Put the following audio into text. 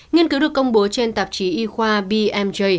nghiên cứu được công bố trên tạp chí y khoa bmj